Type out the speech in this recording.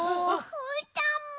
うーたんも。